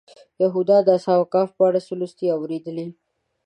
یهودیان د اصحاب کهف په اړه څه لوستي یا اورېدلي.